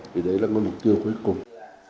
vì đấy là mục tiêu cuối cùng